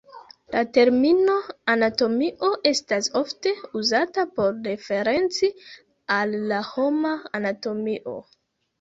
La termino "anatomio" estas ofte uzata por referenci al la homa anatomio.